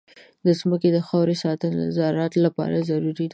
د ځمکې د خاورې ساتنه د زراعت لپاره ضروري ده.